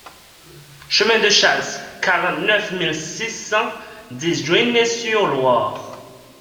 Chemin de Chasles, quarante-neuf mille six cent dix Juigné-sur-Loire